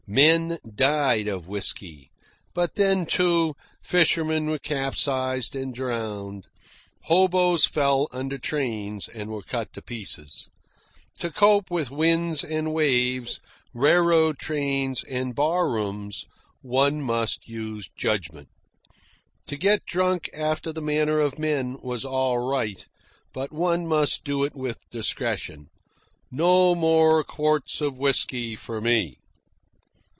Men died of whisky; but then, too, fishermen were capsized and drowned, hoboes fell under trains and were cut to pieces. To cope with winds and waves, railroad trains, and bar rooms, one must use judgment. To get drunk after the manner of men was all right, but one must do it with discretion. No more quarts of whisky for me.